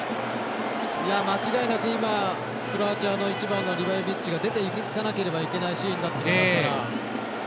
間違いなく、クロアチアの１番のリバコビッチが出ていかないといけないシーンだと思いますから。